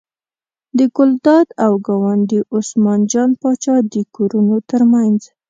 د ګلداد او ګاونډي عثمان جان پاچا د کورونو تر منځ.